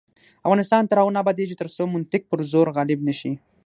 افغانستان تر هغو نه ابادیږي، ترڅو منطق پر زور غالب نشي.